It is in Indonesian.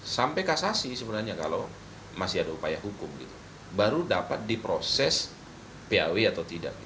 sampai kasasi sebenarnya kalau masih ada upaya hukum baru dapat diproses paw atau tidak